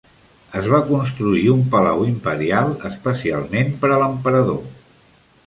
Es va construir un palau imperial especialment per a l'emperador.